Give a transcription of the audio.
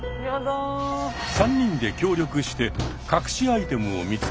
３人で協力して隠しアイテムを見つけ